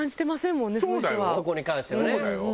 そこに関してはね。